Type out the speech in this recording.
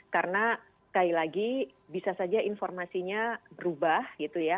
karena sekali lagi bisa saja informasinya berubah gitu ya